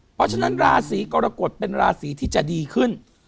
เพราะฉะนั้นราศีกรกฎเป็นราศีที่จะดีขึ้น